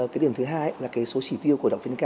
cái điểm thứ hai là cái số chỉ tiêu của đạo phiên nhi ca